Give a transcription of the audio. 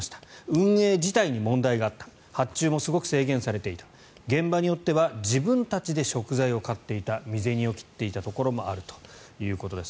運営自体に問題があった発注もすごく制限されていた現場によっては自分たちで食材を買っていた身銭を切っていたところもあるということです。